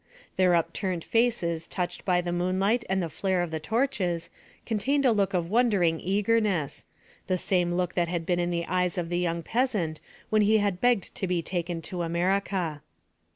Their upturned faces touched by the moonlight and the flare of the torches contained a look of wondering eagerness the same look that had been in the eyes of the young peasant when he had begged to be taken to America.